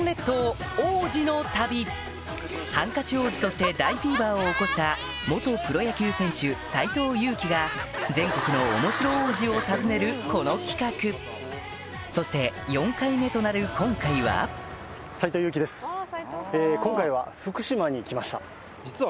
ハンカチ王子として大フィーバーを起こした元プロ野球選手斎藤佑樹が全国の面白王子を訪ねるこの企画そして４回目となる今回はえ！